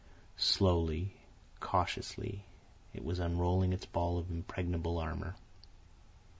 Slowly, cautiously, it was unrolling its ball of impregnable armour.